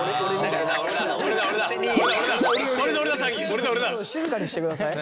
ちょっと静かにしてください。